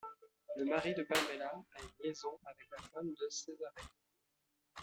Le mari de Pamela a une liaison avec la femme de Cesareo.